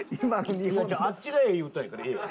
あっちがええ言うたんやからええやん。